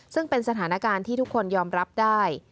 ซึ่งเป็นสถานการณ์ที่ทุกคนยอมรับได้